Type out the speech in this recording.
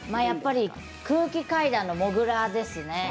やっぱり空気階段の、もぐらですね。